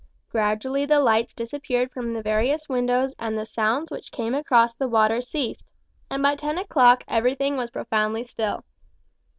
Gradually the lights disappeared from the various windows and the sounds which came across the water ceased, and by ten o'clock everything was profoundly still.